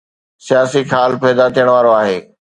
سياسي خال پيدا ٿيڻ وارو آهي.